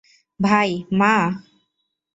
ভাই - মা?